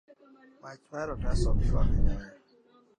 Mach mar otas ok chwak nyoyo.